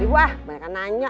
wah banyak yang nanya